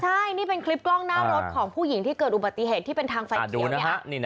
ใช่นี่เป็นคลิปกล้องหน้ารถของผู้หญิงที่เกิดอุบัติเหตุที่เป็นทางไฟเขียวเนี่ย